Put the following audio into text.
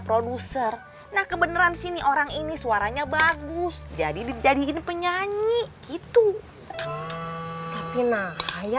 produser nah kebenaran sini orang ini suaranya bagus jadi jadiin penyanyi gitu tapi nah ayah